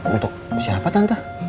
untuk siapa tante